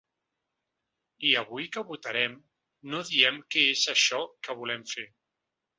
I avui que votarem no diem que és això que volem fer.